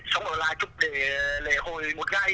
sống ở lại chụp để lễ hội một ngày